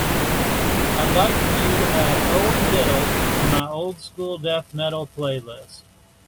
I'd like for you to add Owen Biddle to my Old School Death Metal playlist.